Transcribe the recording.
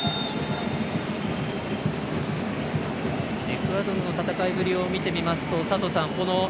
エクアドルの戦いぶりを見てみますと佐藤さん